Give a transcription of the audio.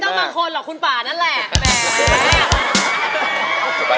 ไม่ต้องบางคนหรอกคุณปานั่นแหละ